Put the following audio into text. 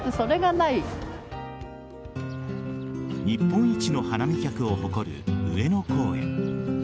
日本一の花見客を誇る上野公園。